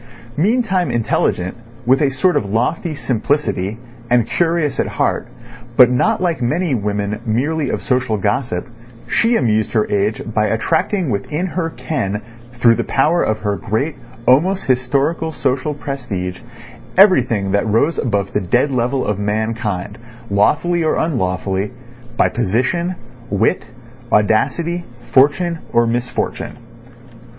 Meantime intelligent, with a sort of lofty simplicity, and curious at heart, but not like many women merely of social gossip, she amused her age by attracting within her ken through the power of her great, almost historical, social prestige everything that rose above the dead level of mankind, lawfully or unlawfully, by position, wit, audacity, fortune or misfortune.